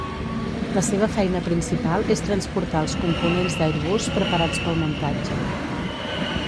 La seva feina principal és transportar els components d'Airbus preparats pel muntatge.